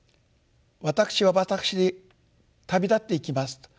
「私は私で旅立っていきます」と。